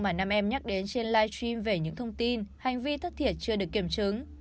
mà nam em nhắc đến trên livestream về những thông tin hành vi thất thiệt chưa được kiểm chứng